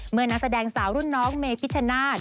เมื่อนักแสดงสาวรุ่นน้องเมฟิชนาด